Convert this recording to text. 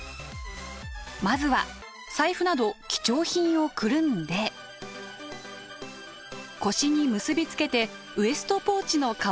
まずは財布など貴重品をくるんで腰に結び付けてウエストポーチの代わりになります。